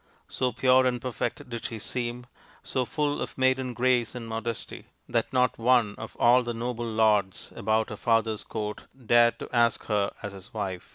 So pure and perfect did she seem, so full of maiden grace and modesty, that not one of all the noble lords about her father's court dared to ask her as his wife.